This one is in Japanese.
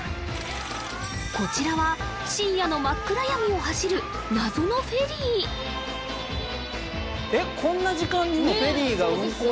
こちらは深夜の真っ暗闇を走る謎のフェリー一応ですね